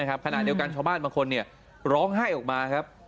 ขณะเดียวกันชาวบ้านบางคนร้องไห้ออกมาครับ